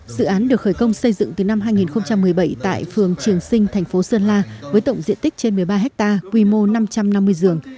dự án được khởi công xây dựng từ năm hai nghìn một mươi bảy tại phường trường sinh thành phố sơn la với tổng diện tích trên một mươi ba ha quy mô năm trăm năm mươi giường